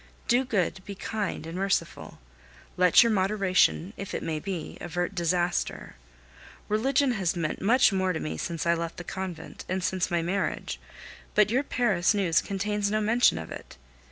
Do good, be kind and merciful; let your moderation, if it may be, avert disaster. Religion has meant much more to me since I left the convent and since my marriage; but your Paris news contains no mention of it.